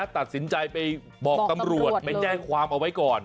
ตัดสินใจไปบอกตำรวจไปแจ้งความเอาไว้ก่อน